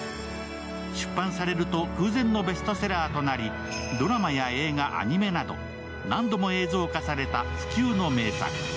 出版されると空前のベストセラーとなりドラマや映画、アニメなど何度も映像化された不朽の名作。